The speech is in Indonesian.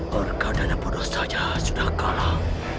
harga dana bodoh saja sudah kalah